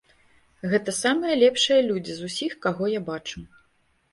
Гэта самыя лепшыя людзі з усіх, каго я бачыў.